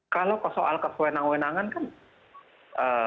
kalau soal kesewenang wenangan kan sangat mungkin diselesaikan